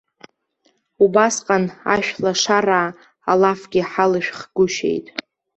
Убасҟан ашәлашараа алафгьы ҳалшәхгәышьеит.